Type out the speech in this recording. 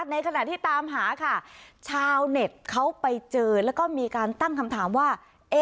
ในขณะที่ตามหาค่ะชาวเน็ตเขาไปเจอแล้วก็มีการตั้งคำถามว่า